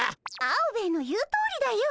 アオベエの言うとおりだよ。